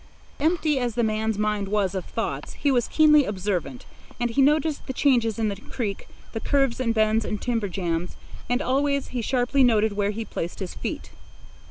Empty as the man's mind was of thoughts, he was keenly observant, and he noticed the changes in the creek, the curves and bends and timber jams, and always he sharply noted where he placed his feet.